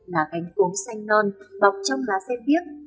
là gánh cốm xanh non bọc trong lá xe viếc